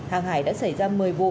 hàng hải đã xảy ra một mươi vụ